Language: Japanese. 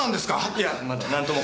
いやまだ何とも。